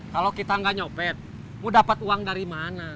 kalau kita nggak nyopet mau dapat uang dari mana